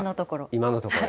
今のところ。